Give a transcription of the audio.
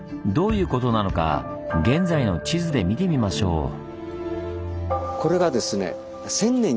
どういうことなのか現在の地図で見てみましょう。